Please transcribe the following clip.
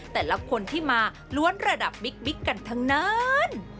แต่ละคนที่มาล้วนระดับบิ๊กกันทั้งนั้น